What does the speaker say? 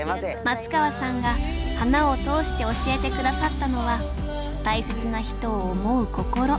松川さんが花を通して教えて下さったのは大切な人を思う心。